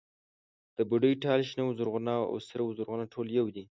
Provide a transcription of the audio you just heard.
د بوډۍ ټال، شنه و زرغونه او سره و زرغونه ټول يو دي.